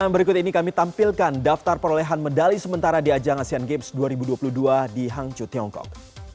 berikut ini kami tampilkan daftar perolehan medali sementara di ajang asean games dua ribu dua puluh dua di hangzhou tiongkok